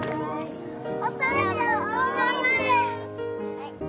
はい。